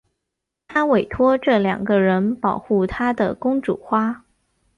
她委托这两个人保护她的公主花。